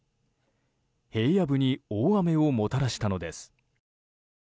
平野部に大雨をもたらしたのです。